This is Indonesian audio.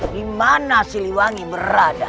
dimana siliwangi berada